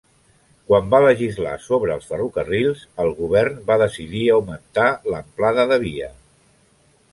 Quan va legislar sobre els ferrocarrils, el govern va decidir augmentar l'amplada de via.